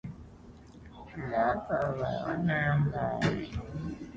The grasshopper escapement has been used in very few clocks since Harrison's time.